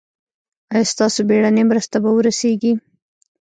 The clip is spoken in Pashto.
ایا ستاسو بیړنۍ مرسته به ورسیږي؟